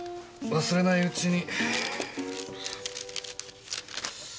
忘れないうちに。